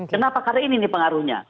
kenapa karena ini nih pengaruhnya